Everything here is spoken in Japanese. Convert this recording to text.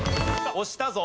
押したぞ。